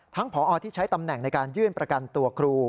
ผอที่ใช้ตำแหน่งในการยื่นประกันตัวครู